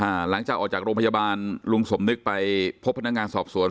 หลังจากออกจากโรงพยาบาลลุงสมนึกไปพบพนักงานสอบสวน